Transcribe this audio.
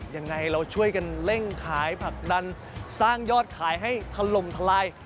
ยังไงเราช่วยกันเร่งขายผลักดันสร้างยอดขายให้ถล่มทลาย